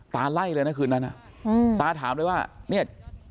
ตาไล่เลยนะคืนนั้นอ่ะอืมตาถามเลยว่าเนี้ย